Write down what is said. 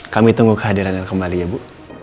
kami tunggu kehadiran yang kembali ya bu